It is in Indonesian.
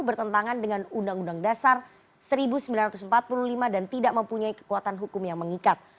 bertentangan dengan undang undang dasar seribu sembilan ratus empat puluh lima dan tidak mempunyai kekuatan hukum yang mengikat